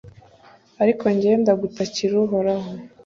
Ariko jyewe ndagutakira Uhoraho